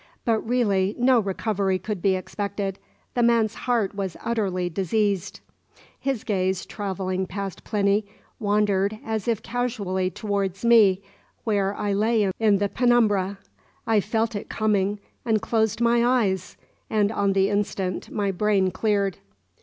"But really no recovery could be expected. The man's heart was utterly diseased." His gaze, travelling past Plinny, wandered as if casually towards me, where I lay in the penumbra. I felt it coming, and closed my eyes; and on the instant my brain cleared.